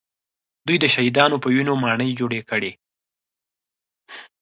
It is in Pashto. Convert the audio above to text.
دوی د شهیدانو په وینو ماڼۍ جوړې کړې